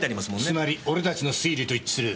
つまり俺たちの推理と一致する。